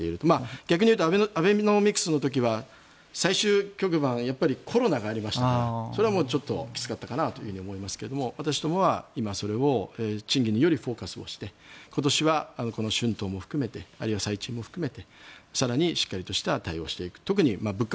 逆に言うとアベノミクスの時は最終局番やっぱりコロナがありましたからそれはきつかったかなと思いますけれど私どもは今賃金により、フォーカスをして今年はこの春闘も含めてあるいは最賃も含めて更にしっかりとした対応をしていく。